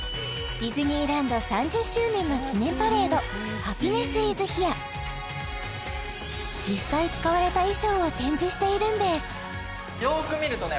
ディズニーランド３０周年の記念パレード「ハピネス・イズ・ヒア」実際使われた衣装を展示しているんです